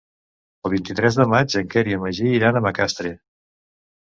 El vint-i-tres de maig en Quer i en Magí iran a Macastre.